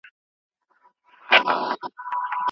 د راتلونکي نسلونو حقونه باید نن خوندي سي.